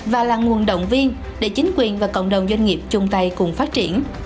và là nguồn động viên để chính quyền và cộng đồng doanh nghiệp chung tay cùng phát triển